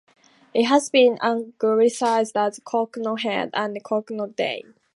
It has been anglicized as "Knockdhead" and "Knockday".